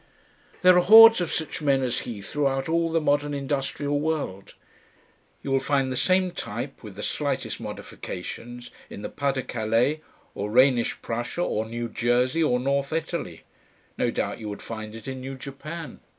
There are hordes of such men as he throughout all the modern industrial world. You will find the same type with the slightest modifications in the Pas de Calais or Rhenish Prussia or New Jersey or North Italy. No doubt you would find it in New Japan.